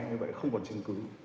như vậy không còn chứng cứ